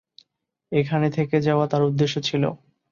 এখানে থেকে যাওয়া তার উদ্দেশ্য ছিল।